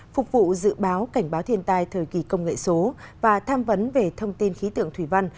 phục vụ dự báo cảnh báo thiên tai thời kỳ công nghệ số và tham vấn về thông tin khí tượng thủy văn